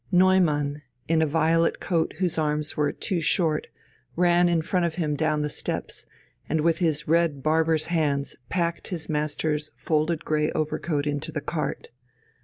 Neumann, in a violet coat whose arms were too short, ran in front of him down the steps and with his red barber's hands packed his master's folded grey over coat into the cart.